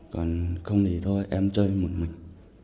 còn không thì thôi em chơi một mình